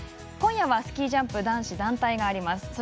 今夜はスキー・ジャンプ男子団体があります。